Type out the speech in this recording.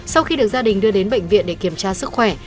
sau khi được gia đình đưa đến bệnh viện để kiểm tra sức khỏe